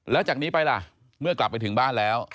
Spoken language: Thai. แล้วจากนี้ไปล่ะเมื่อกลับไปถึงบ้านแล้ว